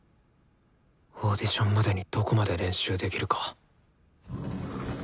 オーディションまでにどこまで練習できるか。